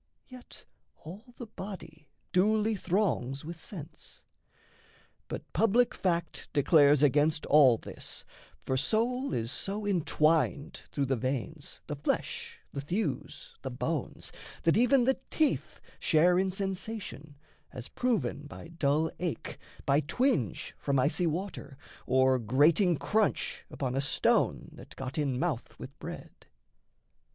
(Yet all the body duly throngs with sense.) But public fact declares against all this: For soul is so entwined through the veins, The flesh, the thews, the bones, that even the teeth Share in sensation, as proven by dull ache, By twinge from icy water, or grating crunch Upon a stone that got in mouth with bread.